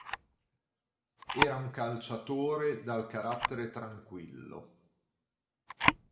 Era un calciatore dal carattere tranquillo.